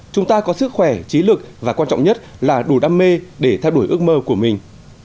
chúng ta có sức khỏe trí lực và quan trọng nhất là đủ đam mê để theo đuổi ước mơ của mình